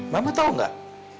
mama tau gak